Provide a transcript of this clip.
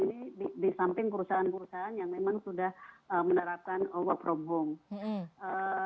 ini di samping perusahaan perusahaan yang memang sudah menerapkan work from home